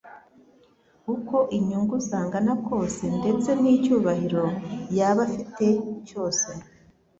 uko inyungu zangana kose ndetse n'icyubahiro yaba afite cyose